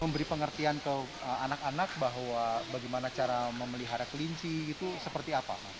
bagaimana cara memelihara kelinci